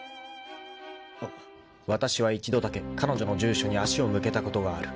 ［わたしは一度だけ彼女の住所に足を向けたことがある］